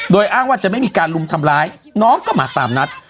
โดยอ้างว่าจะไม่มีการลุมทำร้ายน้องก็มาตามนัด